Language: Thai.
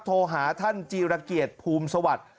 โทรหาท่านจีรเกียรติภูมิสวัสดิ์